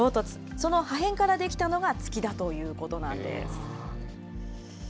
その破片から出来たのが月だということなんです。